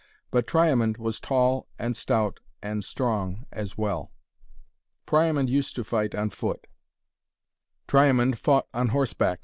But Triamond was tall and stout and strong as well. Priamond used to fight on foot. Triamond fought on horseback.